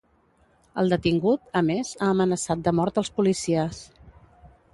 El detingut, a més, ha amenaçat de mort els policies.